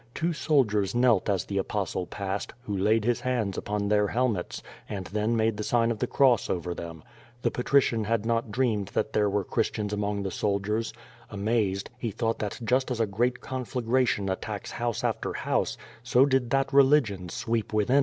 Two soldiers knelt as the Apostle passed, who laid his hands upon their helmets, and then made the sign of the cross over them. The patrician had not dreamec* that there were Cliristians among the sol diers. Amazed, he thought that just as a great conflagration attacks house after house, so did that religion sweep within lyo QUO VADIS.